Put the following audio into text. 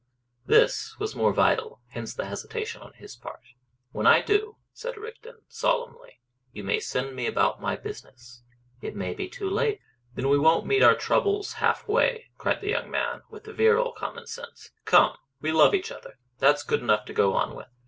This was more vital; hence the hesitation on his part. "When I do," said Rigden, solemnly, "you may send me about my business." "It may be too late." "Then we won't meet our troubles half way," cried the young man, with virile common sense. "Come! We love each other; that's good enough to go on with.